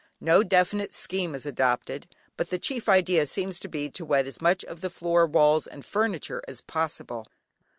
No definite scheme is adopted, but the chief idea seems to be to wet as much of the floor, walls, and furniture as possible.